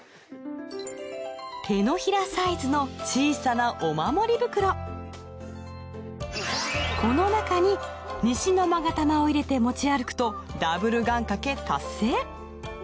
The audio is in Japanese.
手のひらサイズの小さなこの中に西の勾玉を入れて持ち歩くとダブル願掛け達成